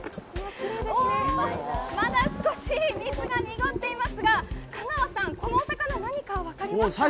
まだ少し水が濁っていますが、香川さん、このお魚、何か分かりますか？